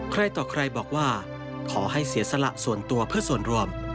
ใครต่อใครบอกว่าขอให้เสียสละส่วนตัวเพื่อส่วนรวม